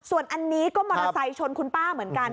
ส่วนอันนี้ก็มอเตอร์ไซค์ชนคุณป้าเหมือนกัน